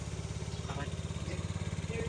Abatendesi bombi baali ku pileesa .